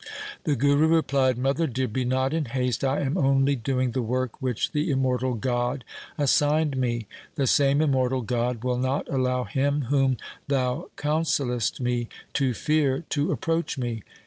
The Guru replied, ' Mother dear, be not in haste. I am only LIFE OF GURU GOBIND SINGH 57 doing the work which the immortal God assigned me. The same immortal God will not allow him whom thou counsellest me to fear to approach me.